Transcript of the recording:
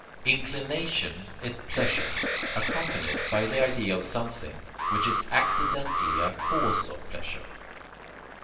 Inclination is pleasure, accompanied by the idea of something which is accidentally a cause of pleasure.